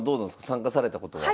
参加されたことは？